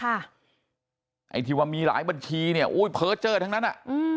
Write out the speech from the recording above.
ไอ้ที่ว่ามีหลายบัญชีเนี่ยเผ้าเจ้าทั้งนั้นนะ